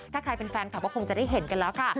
ถ้าใครเป็นแฟนคลับก็คงจะได้เห็นกันแล้วค่ะ